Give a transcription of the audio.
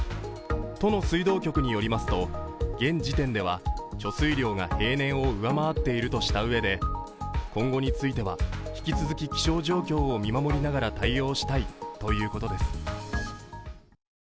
都の水道局によりますと、現時点では貯水量が平年を上回っているとしたうえで今後については、引き続き気象状況を見守りながら対応したいということです。